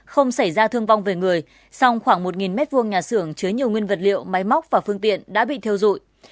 không xảy ra thương vong về người song khoảng một m hai nhà xưởng chứa nhiều nguyên vật liệu máy móc và phương tiện đã bị theo dụi